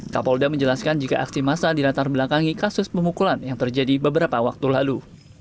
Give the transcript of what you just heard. kapolda menjelaskan jika aksi massa dilatar belakangi kasus pemukulan yang terjadi beberapa waktu lalu